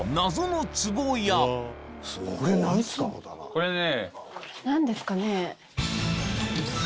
これね。